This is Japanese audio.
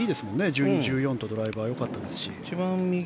１２、１４とドライバー、良かったですしね。